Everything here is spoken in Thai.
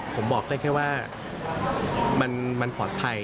ผมบอกได้แค่ว่ามันปลอดภัย